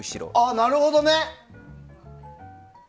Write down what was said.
なるほどね。